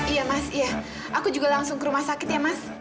iya mas iya aku juga langsung ke rumah sakit ya mas